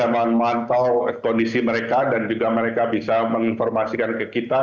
memantau kondisi mereka dan juga mereka bisa menginformasikan ke kita